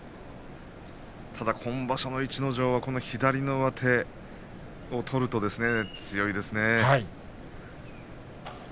ただ今場所の逸ノ城は、この左の上手を取ると強いですね。